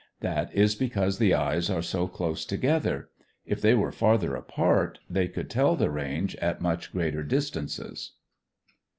That is because the eyes are so close together. If they were farther apart, they could tell the range at much greater distances.